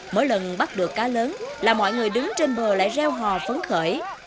mỗi lần bắt được cá lớn là mọi người đứng trên bờ lại reo hò phấn khởi